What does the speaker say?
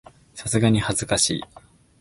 さすがに恥ずかしい